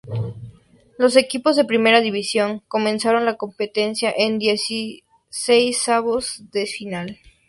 Los equipos de Primera División comenzaron la competición en los dieciseisavos de final.